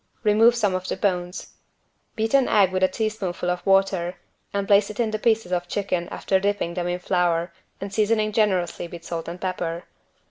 Remove some of the bones. Beat an egg with a teaspoonful of water and place in it the pieces of chicken after dipping them in flour and seasoning generously with salt and pepper.